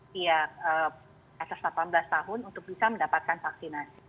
dia atas delapan belas tahun untuk bisa mendapatkan vaksinasi